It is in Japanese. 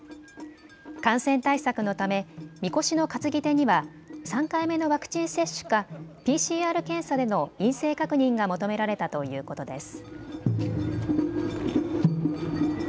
感染対策のためみこしの担ぎ手には３回目のワクチン接種かＰＣＲ検査での陰性確認が求められたということです。